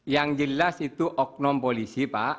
yang jelas itu oknum polisi pak